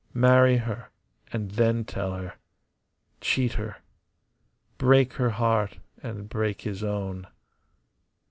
Marry her, and then tell her. Cheat her. Break her heart and break his own.